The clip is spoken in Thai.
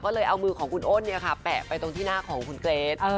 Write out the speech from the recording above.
ก็เลยเอามือของคุณอ้นแปะไปตรงที่หน้าของคุณเกรท